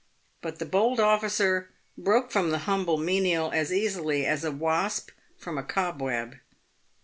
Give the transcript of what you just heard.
But the bold officer broke from the humble menial as easily as a wasp from a cobweb.